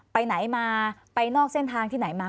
ไปไหนมาไปนอกเส้นทางที่ไหนมา